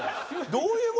どういう事？